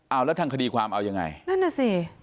เอาแล้วทางคดีความเอายังไงนั่นน่ะสิ